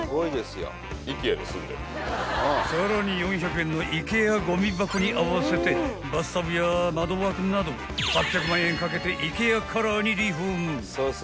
［さらに４００円のＩＫＥＡごみ箱に合わせてバスタブや窓枠などを８００万円かけてＩＫＥＡカラーにリフォーム］